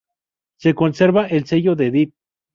Se conserva el sello de Edith.